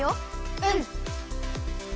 うん。